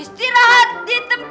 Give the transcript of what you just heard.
istirahat di tempat